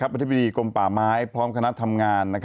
ปฏิบิดิกลมป่าม้พร้อมคณะทำงาน